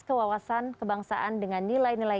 kewawasan kebangsaan dengan nilai nilai